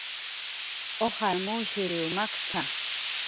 "Ujar mushriw makt""a"